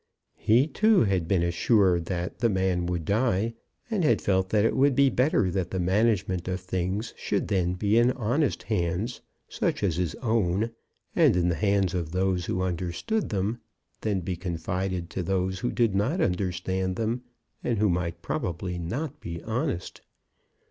He, too, had been assured that the man would die, and had felt that it would be better that the management of things should then be in honest hands, such as his own, and in the hands of those who understood them, than be confided to those who did not not understand them, and who might probably not be honest.